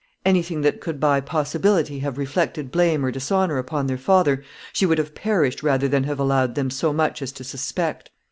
Anything that could by possibility have reflected blame or dishonor upon their father, she would have perished rather than have allowed them so much as to suspect.